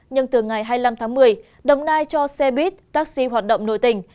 nhưng từ ngày hai mươi năm tháng một mươi đồng nai cho xe buýt taxi hoạt động nổi tình